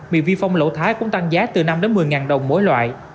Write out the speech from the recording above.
mì vi phong lỗ thái cũng tăng giá từ năm đồng đến một mươi đồng mỗi loại